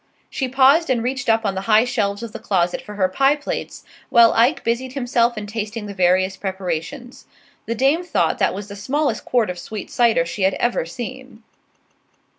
She paused and reached up on the high shelves of the closet for her pie plates, while Ike busied himself in tasting the various preparations. The dame thought that was the smallest quart of sweet cider she had ever seen.